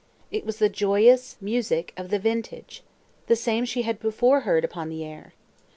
It was the joyous music of the vintage—the same she had before heard upon the air.